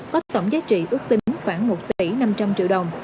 có tổng giá trị ước tính khoảng một tỷ năm trăm linh triệu đồng